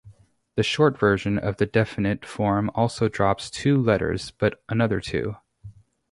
The short version of the definite form also drops two letters, but another two.